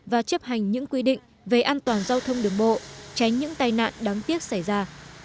và chấp hành những quy định về an toàn giao thông đường bộ tránh những tai nạn đáng tiếc xảy ra